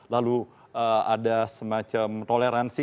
lalu ada semacam toleransi